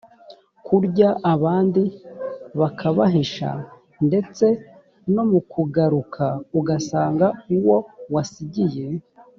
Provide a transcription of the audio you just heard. kurya abandi bakabahisha ndetse no mu kugaruka ugasanga uwo wasigiye